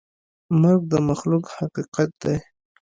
مرګ د مخلوق حقیقت دی.